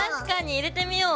入れてみよう！